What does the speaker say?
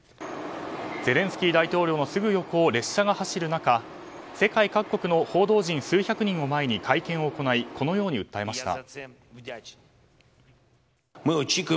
ゼレンスキー大統領のすぐ横を列車が走る中世界各国の報道陣数百人を前に会見を行いこのように訴えました。